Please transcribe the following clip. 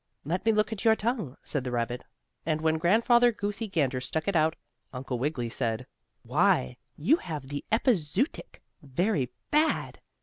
"Let me look at your tongue," said the rabbit, and when Grandfather Goosey Gander stuck it out, Uncle Wiggily said: "Why, you have the epizootic very bad.